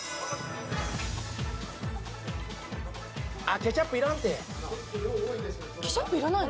ケチャップいらないの？